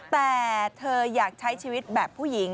แต่เธออยากใช้ชีวิตแบบผู้หญิง